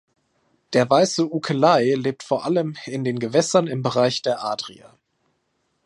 Der Weiße Ukelei lebt vor allem in den Gewässern im Bereich der Adria.